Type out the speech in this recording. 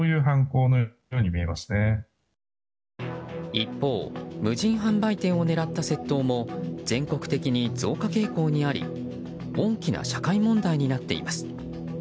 一方、無人販売店を狙った窃盗も全国的に増加傾向にあり大きな社会問題になっています。